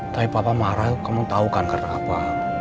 tapi papa marah kamu tau kan kenapa